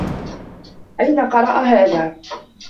أين قرأ هذا؟